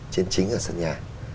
chiến trí ở sân nhà